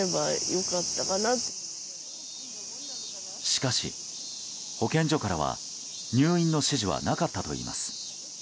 しかし、保健所からは入院の指示はなかったといいます。